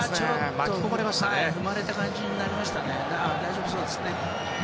踏まれた感じになりましたが大丈夫そうです。